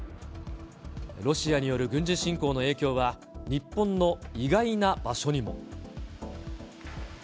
ロシアによる軍事侵攻の影響は、日本の意外な場所にも。